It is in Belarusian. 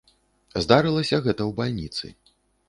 Здарылася гэта ў бальніцы.